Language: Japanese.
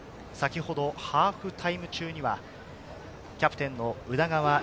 ハーフタイム中にはキャプテン・宇田川瑛